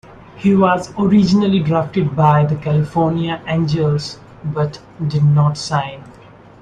He was originally drafted by the California Angels but did not sign.